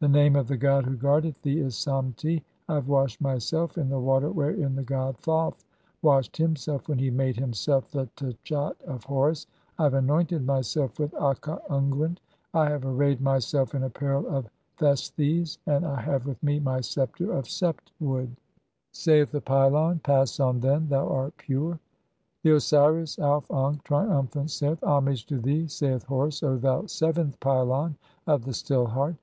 The name of the "god who guardeth thee is Samti. I have washed myself in the "water wherein the god Thoth washed himself when he made "himself the tchat of Horus. (24) I have anointed myself with u aka unguent, I have arrayed myself in apparel of thesthes, and "I have with me my sceptre of sept wood." THE CHAPTER OE THE PYLONS. 247 [Saith the pylon :—] "Pass on, then, thou art pure." VII. (25) The Osiris Auf ankh, triumphant, saith :— "Homage to thee, saith Horus, O thou seventh pylon of the "Still Heart.